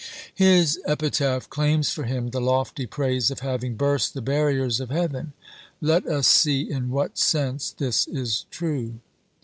His epitaph claims for him the lofty praise of having "burst the barriers of heaven." Let us see in what sense this is true.